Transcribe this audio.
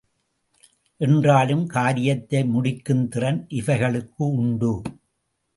என்றாலும் காரியத்தை முடிக்குந் திறன் இவைகளுக்கு உண்டு.